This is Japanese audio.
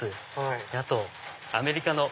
あとアメリカの。